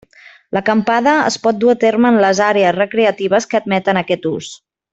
L'acampada es pot dur a terme en les àrees recreatives que admeten aquest ús.